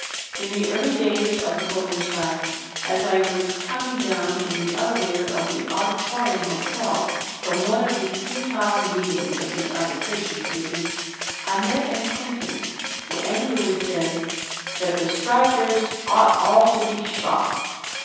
In the early days of the Pullman strike, as I was coming down in the elevator of the Auditorium hotel from one of the futile meetings of the Arbitration Committee, I met an acquaintance, who angrily said "that the strikers ought all to be shot."